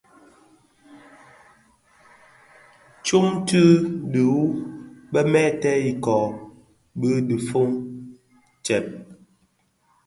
Më tyoma tse dhihuu bë mèètèn ikōō bi dhifōn tsèb.